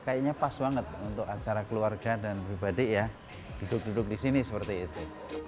kayaknya pas banget untuk acara keluarga dan pribadi ya duduk duduk di sini seperti itu